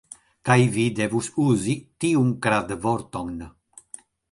Kaj vi devos uzi tiun kradvorton.